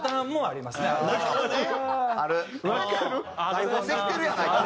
台本できてるやないか。